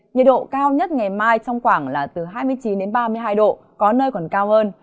nhiệt độ cao nhất ngày mai trong khoảng là từ hai mươi chín đến ba mươi hai độ có nơi còn cao hơn